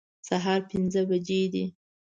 سهار پنځه بجې دي